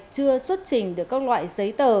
chưa xuất sừng được các loại giấy tờ